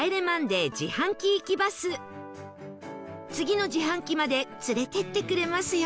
次の自販機まで連れていってくれますよ